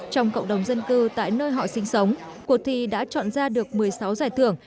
trong cộng đồng dân cư tại nơi họ sinh sống cuộc thi đã chọn ra được một mươi sáu giải thưởng